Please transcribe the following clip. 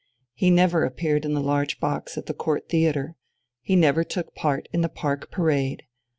He never appeared in the large box at the Court Theatre. He never took part in the park parade.